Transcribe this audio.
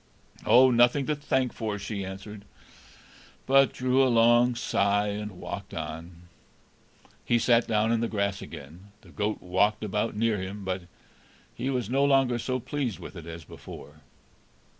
"Oh, nothing to thank for!" she answered, but drew a long sigh, and walked on. He sat down on the grass again. The goat walked about near him, but he was no longer so pleased with it as before.